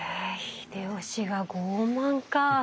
秀吉が傲慢かあ。